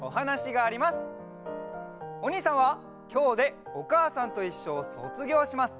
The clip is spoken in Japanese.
おにいさんはきょうで「おかあさんといっしょ」をそつぎょうします。